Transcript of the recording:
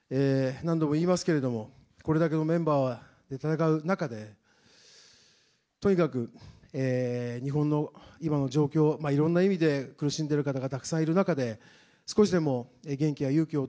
何度も言いますけれども、これだけのメンバーで戦う中で、とにかく、日本の今の状況、いろんな意味で苦しんでる方がたくさんいる中で、少しでも元気や勇気をお届